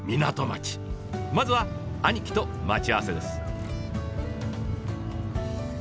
まずは兄貴と待ち合わせです。